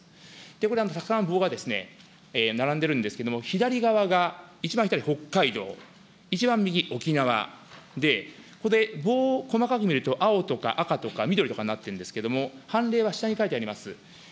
これ、たくさん棒が並んでいるんですけれども、左側が一番左、北海道、一番右、沖縄で、ここで棒を細かく見ると、青とか赤とか緑とかなってるんですけど、凡例は下に書いてあります。